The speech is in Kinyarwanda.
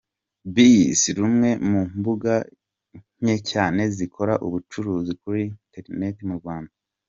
biz, rumwe mu mbuga nke cyane zikora ubucuruzi kuri internet mu Rwanda.